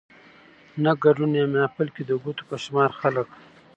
نه ګدون يا محفل کې د ګوتو په شمار خلک